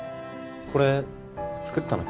これ作ったの君？